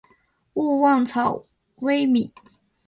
勿忘草微米。